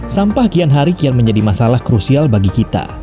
sampah kian hari kian menjadi masalah krusial bagi kita